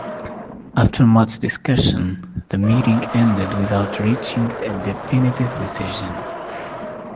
After much discussion, the meeting ended without reaching a definitive decision.